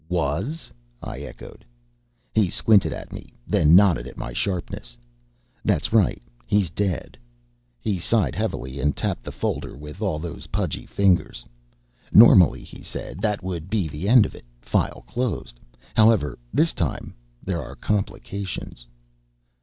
"Was?" I echoed. He squinted at me, then nodded at my sharpness. "That's right, he's dead." He sighed heavily and tapped the folder with all those pudgy fingers. "Normally," he said, "that would be the end of it. File closed. However, this time there are complications."